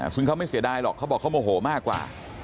ซึ่งเขาไม่เสียดายหรอกเขาบอกเขาโมโหมากกว่า